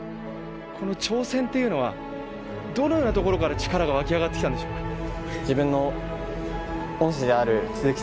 この挑戦っていうのはどのようなところから力が湧き上がってきたんでしょうか？